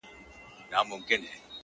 هم ښادۍ یې وې لیدلي هم غمونه!!